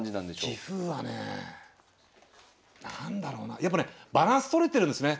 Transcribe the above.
棋風はねえ何だろうなやっぱねバランス取れてるんですね。